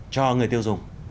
cho người tiêu dùng